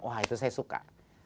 wah itu saya suka